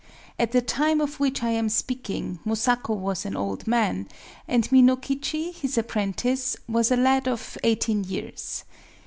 At the time of which I am speaking, Mosaku was an old man; and Minokichi, his apprentice, was a lad of eighteen years.